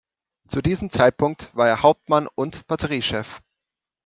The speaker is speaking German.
Zu diesem Zeitpunkt war er Hauptmann und Batteriechef.